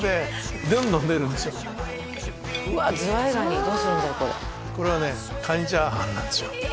これこれはねカニチャーハンなんですよ